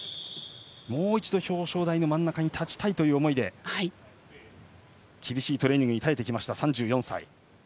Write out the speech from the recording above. もう一度表彰台の真ん中に立ちたい思いで厳しいトレーニングに耐えてきました、３４歳。